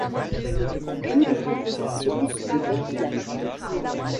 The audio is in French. Toutes les compositions sont de Bob Dylan.